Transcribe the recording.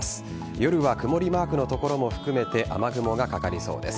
夜は曇りマークの所も含めて雨雲がかかりそうです。